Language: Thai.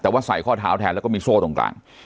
แต่ว่าใส่ข้อเท้าแทนแล้วก็มีโซ่ตรงกลาง